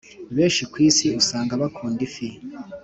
benshi ku isi usanga bakunda ifi